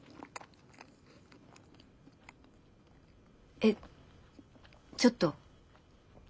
えちょっと。